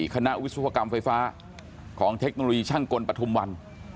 คณะวิศวกรรมไฟฟ้าของเทคโนโลยีช่างกลปฐุมวัน